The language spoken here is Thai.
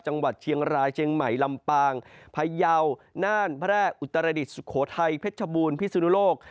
จังหวัดเชียงรายเชียงใหม่ลำปางพยาวน่านแพร่อุตรดิษฐสุโขทัยเพชรบูรณพิสุนุโลก